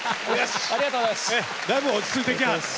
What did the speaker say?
ありがとうございます。